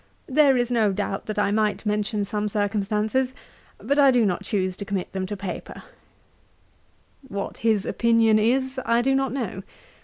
There is no doubt that I might mention some circumstances; but I do not choose to commit them to paper." What his opinion is, I do not know.